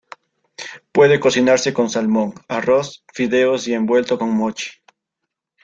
Puede cocinarse con salmón, arroz, fideos y envuelto con mochi.